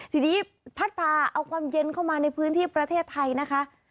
ทีนี้พัดพาเอาความเย็นเข้ามาในพื้นที่ประเทศไทยนะคะ